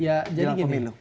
ya jadi gini